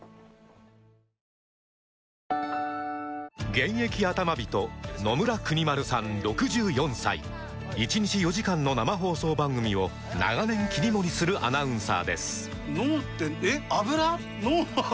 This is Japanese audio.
現役アタマ人野村邦丸さん６４歳１日４時間の生放送番組を長年切り盛りするアナウンサーです